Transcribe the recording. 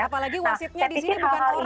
apalagi wasitnya di sini bukan orang begitu ya